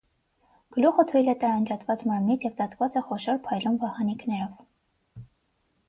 Գլուխը թույլ է տարանջատված մարմնից և ծածկված է խոշոր փայլուն վահանիկներով։